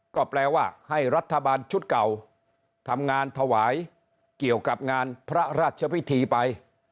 ก็แปลว่าให้รัฐบาลชุดเก่าทำงานถวายเกี่ยวกับงานพระราชพิธีไป